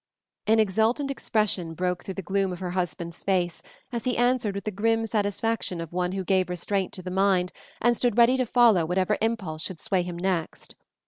An exultant expression broke through the gloom of her husband's face as he answered with the grim satisfaction of one who gave restraint to the mind, and stood ready to follow whatever impulse should sway him next.